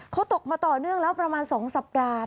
เขาตกมาต่อเนื่องแล้วประมาณ๒สัปดาห์